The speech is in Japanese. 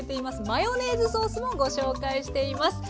マヨネーズソースもご紹介しています。